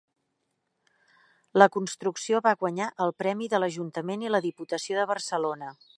La construcció va guanyar el premi de l'Ajuntament i la Diputació de Barcelona.